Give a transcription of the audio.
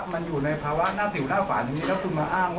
มันอยู่ในภาวะหน้าสิวหน้าฝ่านนี้